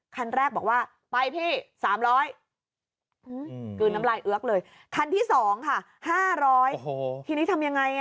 คันแรกบอกว่าไปพี่๓๐๐เงือนน้ำลายเงื้อเลยคันที่๒ค่ะ